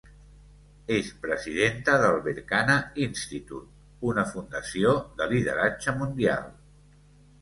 És presidenta del Berkana Institute, una fundació de lideratge mundial.